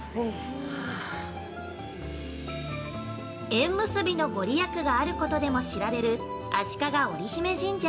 ◆縁結びのご利益があることでも知られる足利織姫神社◆